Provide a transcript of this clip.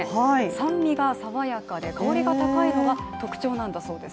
酸味が爽やかで香りが高いのが特徴なんだそうです。